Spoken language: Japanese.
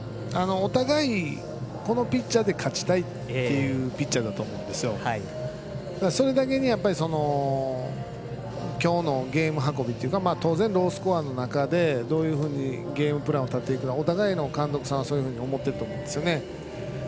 お互いにこのピッチャーで勝ちたいというピッチャーだと思うんですよ、それだけにきょうのゲーム運びというか当然ロースコアの中でどういうふうにゲームプランを立てていくのかお互いの監督さんはそういうふうに思っていると思うんですね。